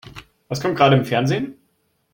Was kommt gerade im Fernsehen?